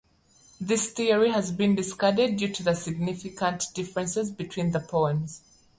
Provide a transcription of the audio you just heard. This theory has been discarded due to the significant differences between the poems.